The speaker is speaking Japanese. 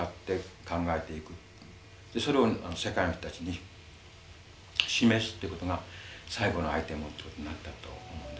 それを世界の人たちに示すってことが最後のアイテムとなったと思うんですね。